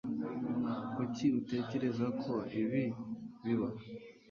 Kuki utekereza ko ibi bibaho?